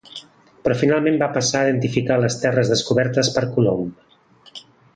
Però finalment va passar a identificar les terres descobertes per Colom.